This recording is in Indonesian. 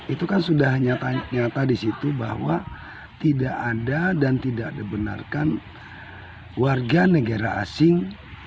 itu kan sudah nyata di situ bahwa tidak ada dan tidak dibenarkan warga negara asing